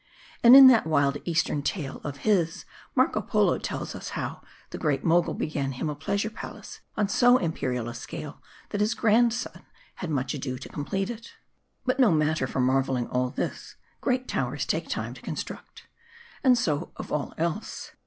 And in that wild eastern tale of his, Marco Polo tells us, how the Great Mogul began him a pleasure palace on so imperial a scale, that his grand son had much ado to complete it. But no matter for marveling all" this : great towers take time to construct. And so of all else.